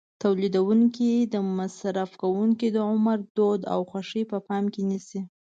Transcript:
تولیدوونکي د مصرف کوونکو د عمر، دود او خوښې په پام کې نیسي.